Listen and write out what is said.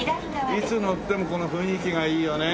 いつ乗ってもこの雰囲気がいいよね。